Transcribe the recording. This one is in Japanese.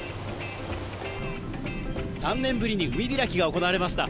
３年ぶりに海開きが行われました。